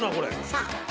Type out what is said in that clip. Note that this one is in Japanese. さあ。